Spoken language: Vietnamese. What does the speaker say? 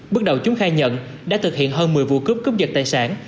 bước đầu chúng khai nhận đã thực hiện hơn một mươi vụ cướp cướp giật tài sản